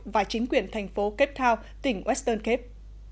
và chính quyền thành phố cape town tỉnh western cape